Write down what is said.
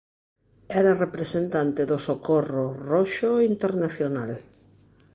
Era representante do Socorro Roxo Internacional.